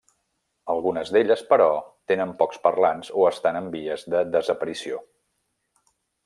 Algunes d'elles, però, tenen pocs parlants o estan en vies de desaparició.